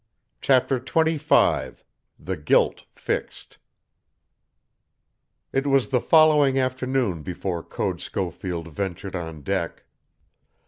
CHAPTER XXV THE GUILT FIXED It was the following afternoon before Code Schofield ventured on deck.